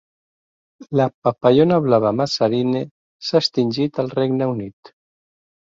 La papallona blava Mazarine s'ha extingit al Regne Unit.